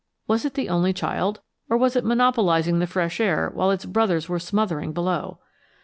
Was it the only child, or was it monopolizing the fresh air while its brothers were smothering below?